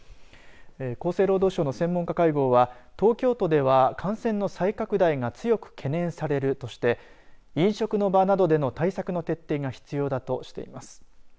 厚生労働省の専門家会合は東京都では、感染の再拡大が強く懸念されるとして飲食の場などでの対策の徹底が必要だとしています。